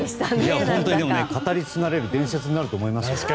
本当に語り継がれる伝説になると思いますよ。